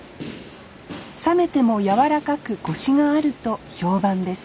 冷めても柔らかくこしがあると評判です